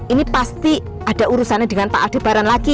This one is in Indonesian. ini pasti ada urusannya dengan tak ada barang lagi ya